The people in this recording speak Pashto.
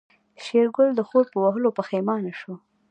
شېرګل د خور په وهلو پښېمانه شو.